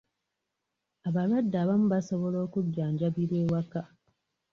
Abalwadde abamu basobola okujjanjabirwa ewaka.